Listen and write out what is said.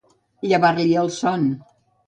Llevar-li el son.